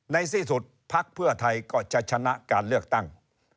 ในที่สุดภักดิ์เพื่อไทยก็จะชนะการเลือกตั้ง